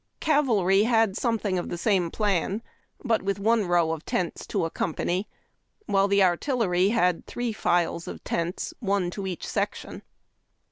Cavalry had something of the same plan, but with one row of tents to a company, while the artillery had three files of tents, one to each section.